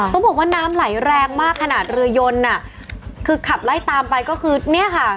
ต้องบอกว่าน้ำไหลแรงมากขนาดเรือยนอ่ะคือขับไล่ตามไปก็คือเนี่ยค่ะ